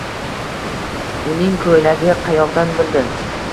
Uning ko'ylagi qayoqdan bildi?